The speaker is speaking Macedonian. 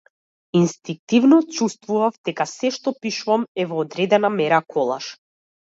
Инстинктивно чувствував дека сѐ што пишувам е во одредена мера колаж.